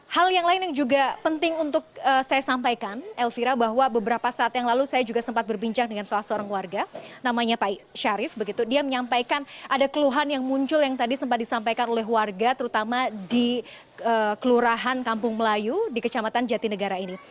hal yang lain yang juga penting untuk saya sampaikan elvira bahwa beberapa saat yang lalu saya juga sempat berbincang dengan salah seorang warga namanya pak syarif begitu dia menyampaikan ada keluhan yang muncul yang tadi sempat disampaikan oleh warga terutama di kelurahan kampung melayu di kecamatan jatinegara ini